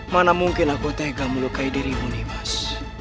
mana mungkin aku tega melukai dirimu nih mas